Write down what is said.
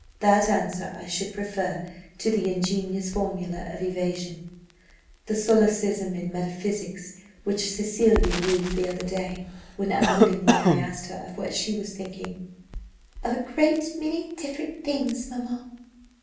That answer I should prefer to the ingenious formula of evasion, the solecism in metaphysics, which Cecilia used the other day, when unwittingly I asked her of what she was thinking 'Of a great many different things, mamma.